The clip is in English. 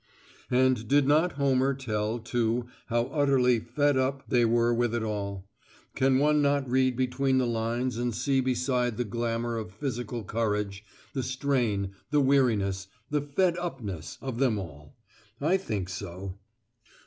And did not Homer tell, too, how utterly 'fed up' they were with it all? Can one not read between the lines and see, besides the glamour of physical courage, the strain, the weariness, the 'fed upness' of them all! I think so.